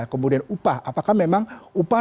kemudian upah apakah memang upah